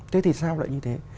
thế thì sao lại như thế